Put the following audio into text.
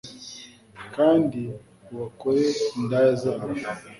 Kandi ubakore indaya zabo